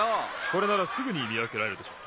これならすぐにみわけられるでしょ。